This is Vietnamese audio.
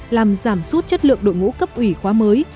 làm giảm sút chất lượng đội ngũ cấp ủy khóa mới